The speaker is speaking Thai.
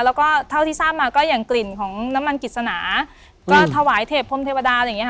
แล้วก็เท่าที่ทราบมาก็อย่างกลิ่นของน้ำมันกิจสนาก็ถวายเทพพรมเทวดาอะไรอย่างนี้ค่ะ